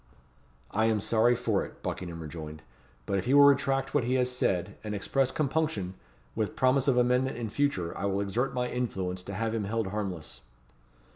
"I am sorry for it," Buckingham rejoined; "but if he will retract what he has said, and express compunction, with promise of amendment in future, I will exert my influence to have him held harmless."